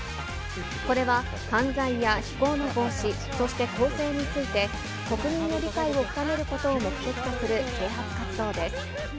これは犯罪や非行の防止、そして更生について、国民の理解を深めることを目的とする啓発活動です。